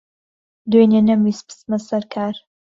دوێنێ نەمویست بچمە سەر کار.